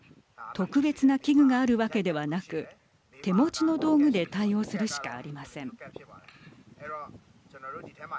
特別な器具があるわけではなく手持ちの道具で対応するしかありません。